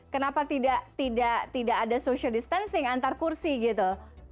kenapa tidak ada social distancing antar kursi gitu